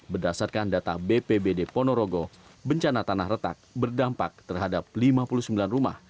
berdasarkan data bpbd ponorogo bencana tanah retak berdampak terhadap lima puluh sembilan rumah